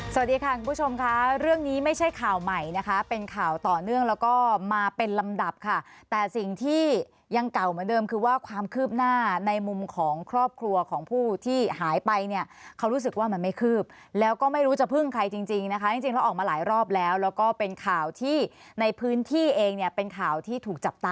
สวัสดีค่ะคุณผู้ชมค่ะเรื่องนี้ไม่ใช่ข่าวใหม่นะคะเป็นข่าวต่อเนื่องแล้วก็มาเป็นลำดับค่ะแต่สิ่งที่ยังเก่าเหมือนเดิมคือว่าความคืบหน้าในมุมของครอบครัวของผู้ที่หายไปเนี่ยเขารู้สึกว่ามันไม่คืบแล้วก็ไม่รู้จะพึ่งใครจริงจริงนะคะจริงแล้วออกมาหลายรอบแล้วแล้วก็เป็นข่าวที่ในพื้นที่เองเนี่ยเป็นข่าวที่ถูกจับต